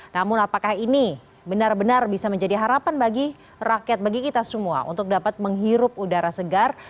namun apakah ini benar benar bisa menjadi harapan bagi rakyat bagi kita semua untuk dapat menghirup udara segar